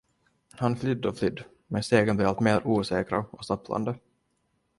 Han flydde och flydde, men stegen blev alltmer osäkra och stapplande.